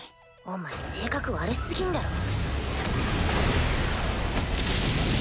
お前性格悪すぎんだろ。